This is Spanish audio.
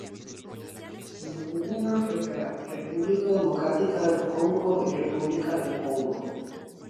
Se encuentran en África: República Democrática del Congo y República del Congo.